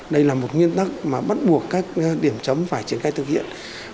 đây là một nguyên tắc mà bắt buộc các điểm chấm phải triển khai thực hiện